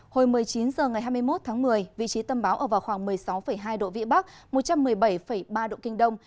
hồi một mươi chín h ngày hai mươi một tháng một mươi vị trí tâm bão ở vào khoảng một mươi sáu hai độ vĩ bắc một trăm một mươi bảy ba độ kinh đông